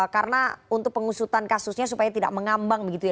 karena untuk pengusutan kasusnya supaya tidak mengambang begitu ya